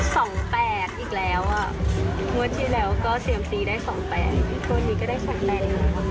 สองแปดอีกแล้วอ่ะวันที่แล้วก็เสี่ยงเซียมซีได้สองแปด